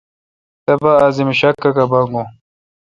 تبہ عظیم شا کاکا باگوُن۔